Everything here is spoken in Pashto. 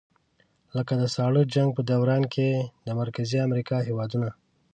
لکه د ساړه جنګ په دوران کې د مرکزي امریکا هېوادونه.